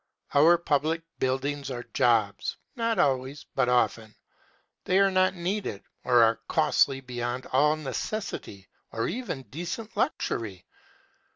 Our public buildings are jobs not always, but often. They are not needed, or are costly beyond all necessity or even decent luxury.